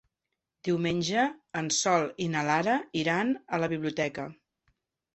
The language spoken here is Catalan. Diumenge en Sol i na Lara iran a la biblioteca.